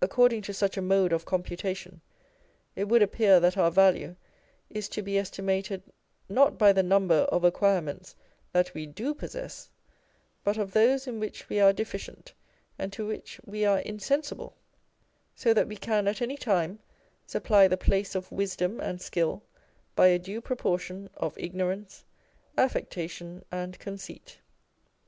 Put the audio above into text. Accord ing to such a mode of computation, it would appear that our value is to be estimated not by the number of acquire ments that we do possess, but of those in which we are deficient and to which we are insensible : â€" so that we can at any time supply the place of wisdom and skill by a due proportion of ignorance, affectation, and conceit.